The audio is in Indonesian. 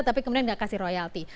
tapi kemudian tidak kasih royalti